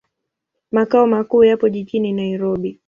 Makao makuu yapo jijini Nairobi.